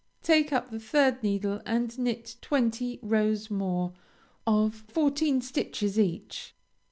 Take up the third needle and knit twenty rows more, of fourteen stitches each.